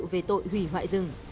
về tội hủy hoại rừng